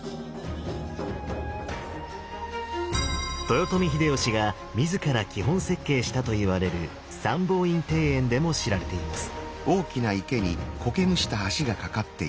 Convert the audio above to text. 豊臣秀吉が自ら基本設計したといわれる三宝院庭園でも知られています。